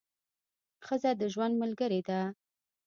ښځه د ژوند ملګرې ده.